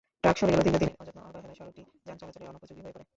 Truck সরে গেলেও দীর্ঘদিনের অযত্ন-অবহেলায় সড়কটি যান চলাচলের অনুপযোগী হয়ে পড়ে।